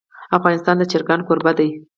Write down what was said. افغانستان د چرګان کوربه دی.